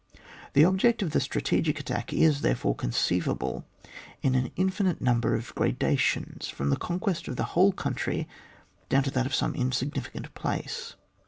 The object of the strategic attack is, therefore, conceivable in an infinite num ber of gradations, from the conquest of the whole country down to that of some insignificant place.